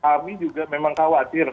kami juga memang khawatir